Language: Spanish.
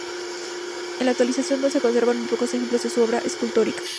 En la actualidad se conservan muy pocos ejemplos de su obra escultórica.